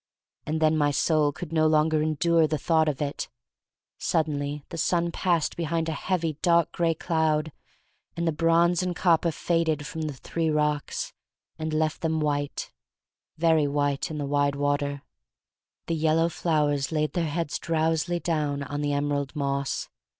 And then my soul could no longer endure the thought of it. Suddenly the sun passed behind a heavy, dark gray cloud, and the bronze and copper faded from the three rocks THE STORY OF MARY MAC LANE 1 99 and left them white — very white in the wide water. The yellow flowers laid their heads drowsily down on the emerald moss.